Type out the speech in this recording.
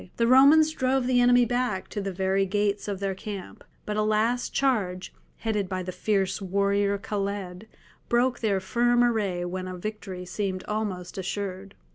The Romans drove the enemy back to the very gates of their camp, but a last charge, headed by the fierce warrior Khaled, broke their firm array when a victory seemed almost assured.